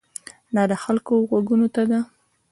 دا د خلکو غوږونو ته ده.